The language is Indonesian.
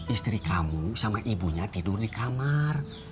istri kamu sama ibunya tidur di kamar